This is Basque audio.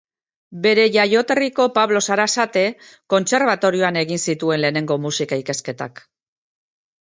Bere jaioterriko Pablo Sarasate Kontserbatorioan egin zituen lehenengo Musika ikasketak.